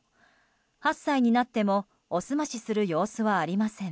８歳になってもお澄ましする様子はありません。